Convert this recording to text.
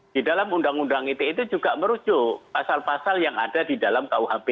di dalam undang undang ite itu juga merujuk pasal pasal yang ada di dalam kuhp